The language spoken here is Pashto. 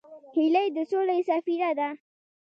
هیلۍ د سولې سفیره ده